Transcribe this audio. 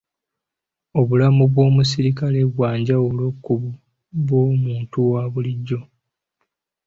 Obulamu bw'omusirikale bwa njawulo ku bw'omuntu wa bulijjo.